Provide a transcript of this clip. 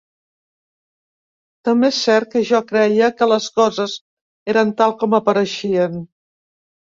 També és cert que jo creia que les coses eren tal com apareixien